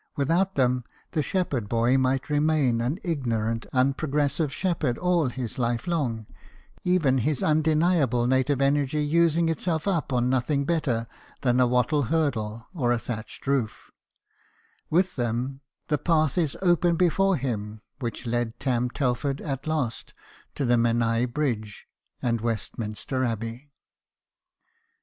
Without them, the shepherd boy might remain an igno rant, unprogressive shepherd all his life long, even his undeniable native energy using itself up on nothing better than a wattled hurdle or a thatched roof ; with them, the path is open before him which led Tarn Telford at last to the Menai Bridge and Westminster Abbey.